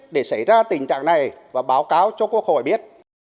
để xảy ra tình trạng này và báo cáo cho quốc hội biết